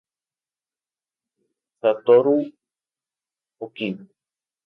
Satoru Oki